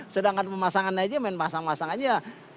sedangkan pemasangan aja main pasang pasang aja